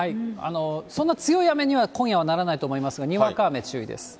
そんな強い雨には、今夜はならないと思いますが、にわか雨、注意です。